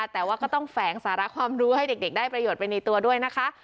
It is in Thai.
แต่ว่าก็ต้องแฝงสาระความรู้ให้เด็กได้ประโยชน์ไปในตัวด้วยนะคะ